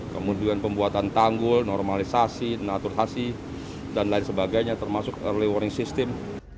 kemudian pembuatan tanggul normalisasi naturalisasi dan lain sebagainya termasuk early warning system